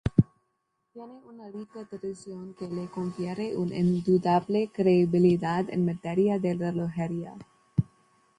Tiene una rica tradición que le confiere una indudable credibilidad en materia de relojería.